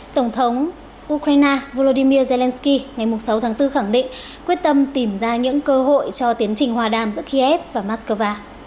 tổng thống ukraine volodymyr zelensky ngày sáu tháng bốn khẳng định quyết tâm tìm ra những cơ hội cho tiến trình hòa đàm giữa kiev và moscow